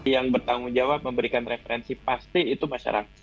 yang bertanggung jawab memberikan referensi pasti itu masyarakat